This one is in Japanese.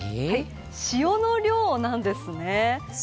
塩の量なんですね。